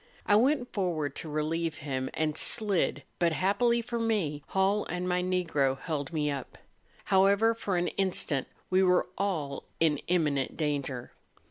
I went forward to relieve him, and slid; but happily for me, Hall and my Negro held me up. However, for an instant we were all in imminent danger.